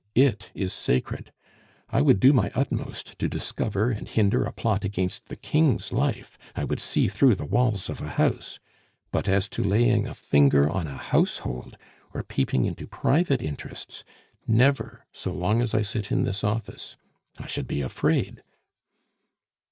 It is sacred! I would do my utmost to discover and hinder a plot against the King's life, I would see through the walls of a house; but as to laying a finger on a household, or peeping into private interests never, so long as I sit in this office. I should be afraid."